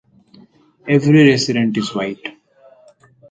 Every resident is White.